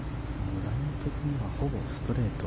ライン的にはほぼストレート。